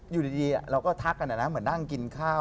อยู่ดีเราก็ทักกันนะเหมือนนั่งกินข้าว